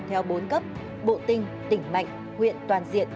theo bốn cấp bộ tinh tỉnh mạnh huyện toàn diện